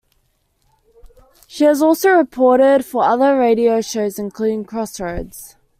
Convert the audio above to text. She has also reported for other radio shows, including "Crossroads".